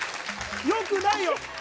良くないよ！